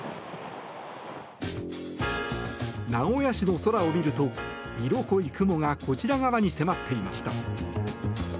名古屋市の空を見ると色濃い雲がこちら側に迫っていました。